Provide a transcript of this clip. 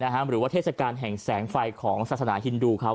หรือว่าเทศกาลแห่งแสงไฟของศาสนาฮินดูเขา